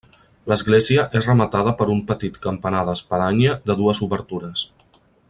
L'església és rematada per un petit campanar d'espadanya de dues obertures.